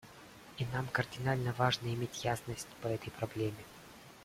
И нам кардинально важно иметь ясность по этой проблеме.